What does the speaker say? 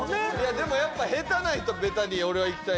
でもやっぱ下手な人ベタに俺はいきたい